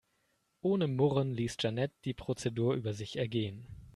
Ohne Murren ließ Jeanette die Prozedur über sich ergehen.